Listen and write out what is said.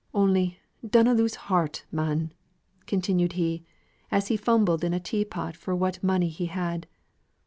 Only, dunnot lose heart, man!" continued he, as he fumbled in a tea pot for what money he had.